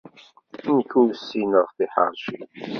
Nek ur ssineɣ i tiḥeṛci